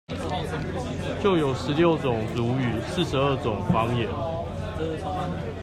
就有十六種族語、四十二種方言